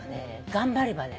頑張ればね